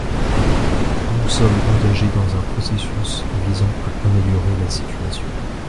Nous sommes engagés dans un processus visant à améliorer la situation.